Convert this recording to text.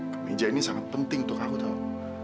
kemeja ini sangat penting untuk aku tahu